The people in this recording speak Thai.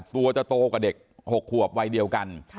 ตัวจะโตกว่าเด็ก๖ขวบวัยเดียวกัน